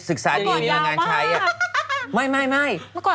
สรรค์เทคโนโลยี